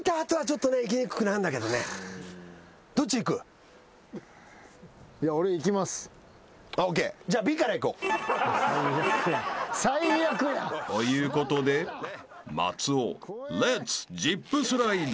［ということで松尾レッツジップスライド］